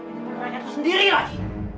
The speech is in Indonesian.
dan meneranjatku sendiri lagi